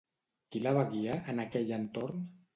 Qui la va guiar, en aquell entorn?